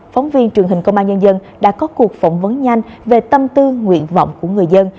phóng viên truyền hình công an nhân dân đã có cuộc phỏng vấn nhanh về tâm tư nguyện vọng của người dân